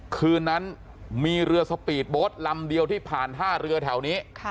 คืนนั้นมีเรือสปีดโบสต์ลำเดียวที่ผ่านท่าเรือแถวนี้